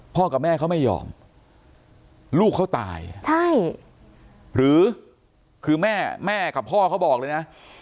กับแม่เขาไม่ยอมลูกเขาตายใช่หรือคือแม่แม่กับพ่อเขาบอกเลยนะ